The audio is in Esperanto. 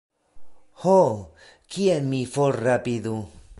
Ho, kien mi forrapidu?